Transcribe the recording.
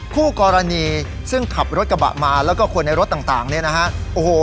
คู่กรณีซึ่งขับรถกระบะมาแล้วก็คนในรถต่างเนี่ยนะฮะโอ้โห